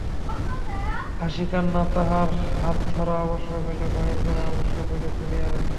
হাসিকান্না তাহার হাতধরা, আবশ্যক হইলে বাহির করে, আবশ্যক হইলে তুলিয়া রাখে।